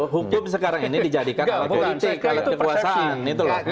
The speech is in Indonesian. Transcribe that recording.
hukum sekarang ini dijadikan alat politik kekuasaan